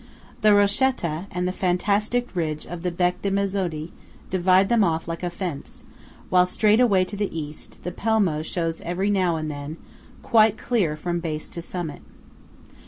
The Rochetta, and the fantastic ridge of the Bec di Mezzodi divide them off like a fence; while straight away to the East, the Pelmo shows every now and then, quite clear from base to summit.